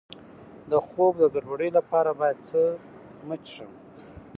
د خوب د ګډوډۍ لپاره باید څه مه څښم؟